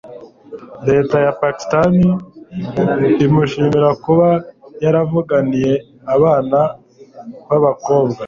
leta ya pakistani imushimira kuba yaravuganiye abana b'abakobwa